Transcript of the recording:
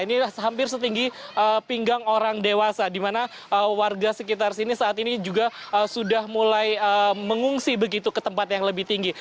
ini hampir setinggi pinggang orang dewasa di mana warga sekitar sini saat ini juga sudah mulai mengungsi begitu ke tempat yang lebih tinggi